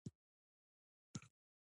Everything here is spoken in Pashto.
زه خپل ټول عکسونه آرشیف کوم.